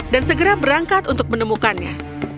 dan segera berangkat untuk menemukannya